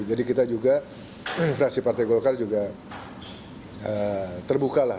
jadi kita juga fraksi partai golkar juga terbuka lah